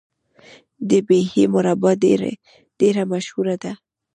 د بیحي مربا ډیره مشهوره ده.